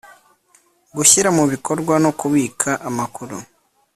gushyira mu bikorwa no kubika amakuru